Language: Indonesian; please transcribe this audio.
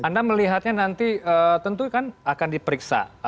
anda melihatnya nanti tentu kan akan diperiksa